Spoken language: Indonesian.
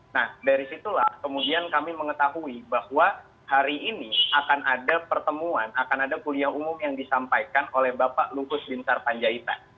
nah dari situlah kemudian kami mengetahui bahwa hari ini akan ada pertemuan akan ada kuliah umum yang disampaikan oleh bapak luhut bin sarpanjaitan